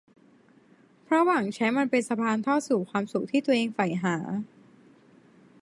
เพราะหวังใช้มันเป็นสะพานทอดสู่ความสุขที่ตัวเองใฝ่หา